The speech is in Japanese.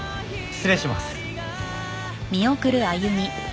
失礼します。